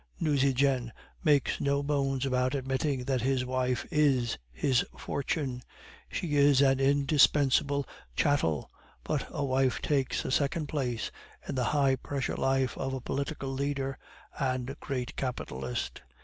"Nucingen makes no bones about admitting that his wife is his fortune; she is an indispensable chattel, but a wife takes a second place in the high pressure life of a political leader and great capitalist.